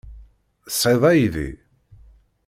Tesɛiḍ aydi?